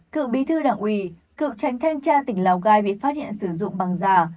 cựu bí thư đảng uy cựu tránh thanh tra tỉnh lào gai bị phát hiện sử dụng bằng giả